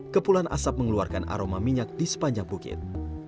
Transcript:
kepulan asap mengeluarkan aroma minyak di sepanjang bukit